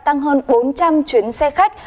tăng hơn bốn trăm linh chuyến xe khách